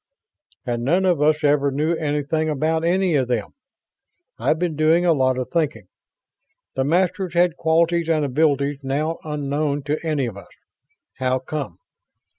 "And none of us ever knew anything about any of them. I've been doing a lot of thinking. The Masters had qualities and abilities now unknown to any of us. How come?